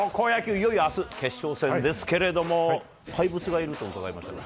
いよいよ明日決勝戦ですけれども怪物がいると伺いました。